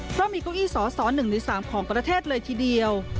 เพราะมีเก้าอี้สส๑ใน๓ของประเทศเลยทีเดียว